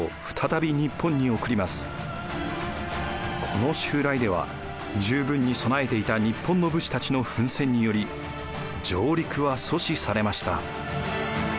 この襲来では十分に備えていた日本の武士たちの奮戦により上陸は阻止されました。